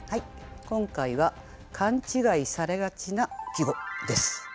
今回は「勘違いされがちな季語」です。